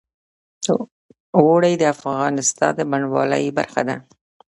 اوړي د افغانستان د بڼوالۍ برخه ده.